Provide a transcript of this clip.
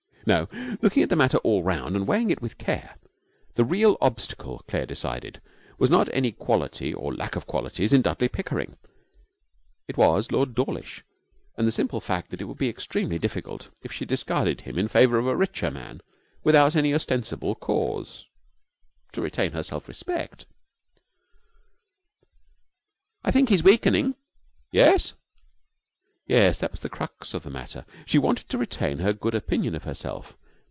No, looking at the matter all round and weighing it with care, the real obstacle, Claire decided, was not any quality or lack of qualities in Dudley Pickering it was Lord Dawlish and the simple fact that it would be extremely difficult, if she discarded him in favour of a richer man without any ostensible cause, to retain her self respect. 'I think he's weakening.' 'Yes?' Yes, that was the crux of the matter. She wanted to retain her good opinion of herself.